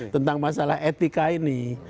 tentang masalah etika ini